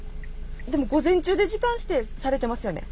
でも午前中で時間指定されてますよね。